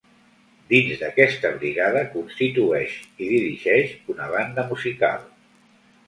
Dins d'aquesta brigada constitueix i dirigeix una banda musical.